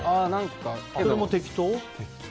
それも適当？